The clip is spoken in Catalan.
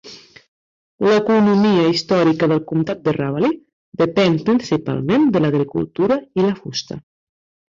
L'economia històrica del comtat de Ravalli depèn principalment de l'agricultura i la fusta.